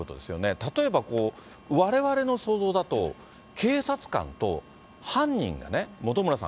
例えばわれわれの想像だと、警察官と犯人がね、本村さん、